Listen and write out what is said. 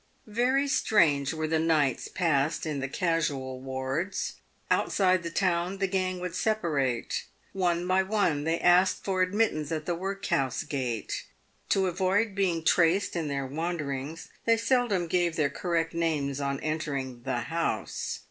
Very strange were the nights passed in the casual wards. Outside the town the gang would separate. One by one they asked for ad mission at the workhouse gate. To avoid being traced in their wanderings, they seldom gave their correct names on entering " the house."